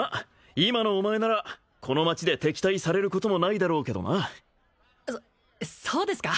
今のお前ならこの街で敵対されることもないだろうけどなそそうですか？